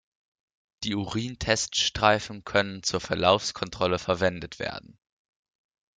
Die Urin-Teststreifen können zur Verlaufskontrolle verwendet werden.